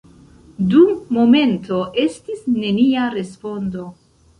Dum momento estis nenia respondo.